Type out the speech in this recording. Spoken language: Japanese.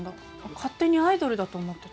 勝手にアイドルだと思ってた。